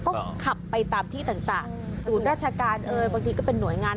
ก็ขับไปตามที่ต่างศูนย์ราชการเอ่ยบางทีก็เป็นหน่วยงาน